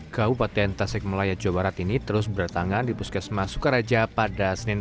kabupaten tasikmelaya jawa barat ini terus bertangan di puskesmas sukaraja pada senin